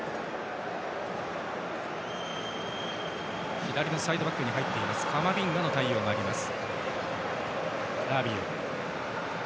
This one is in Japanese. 左のサイドバックに入っているカマビンガの対応がありました。